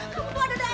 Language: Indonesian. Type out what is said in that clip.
kamu buat dada aja